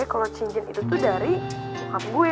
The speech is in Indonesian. kalo cincin itu tuh dari bokap gue